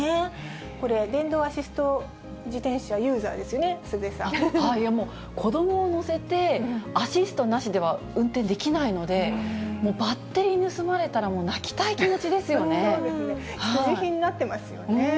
これ、電動アシスト自転車ユーザーですよね、もう子どもを乗せてアシストなしでは運転できないので、もうバッテリー盗まれたら、必需品になってますよね。